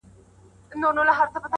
• ته ګرځې لالهانده پسي شیخه ما لیدلي..